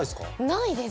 ないです。